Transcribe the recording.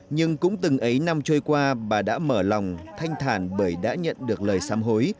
nhưng cũng từng ấy năm trôi qua bà đã mở lòng thanh thản bởi đã nhận được lời xăm hối